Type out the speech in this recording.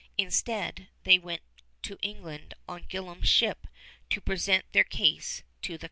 Instead, they went to England on Gillam's ship to present their case to the company.